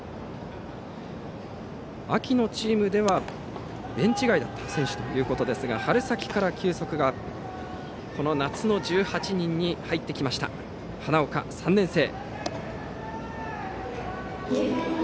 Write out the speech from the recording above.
秋のチームではベンチ外だった選手ということですが春先から球速がアップして夏の１８人に入ってきた花岡、３年生。